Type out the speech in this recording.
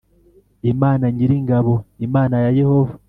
Imana nyir ingabo imana ya yehova